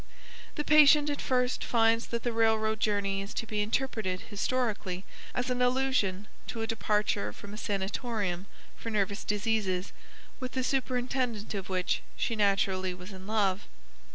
The patient at first finds that the railroad journey is to be interpreted historically as an allusion to a departure from a sanatorium for nervous diseases, with the superintendent of which she naturally was in love.